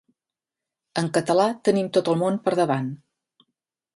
En català tenim tot el món per davant.